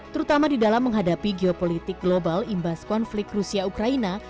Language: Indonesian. terutama di dalam menghadapi geopolitik global imbas konflik rusia ukraina